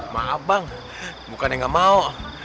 maaf bang bukan yang gak mau